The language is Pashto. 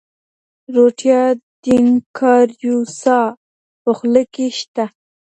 روټیا ډینوکاریوسا په خوله کې شته.